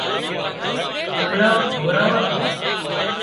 لگھڙان ڌوراوان سان